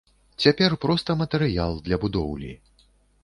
Цяпер проста матэрыял для будоўлі.